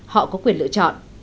họ có quyền lựa chọn